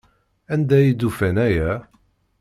Anda ay d-ufan aya?